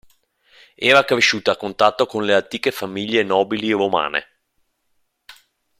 Era cresciuta a contatto con le antiche famiglie nobili romane.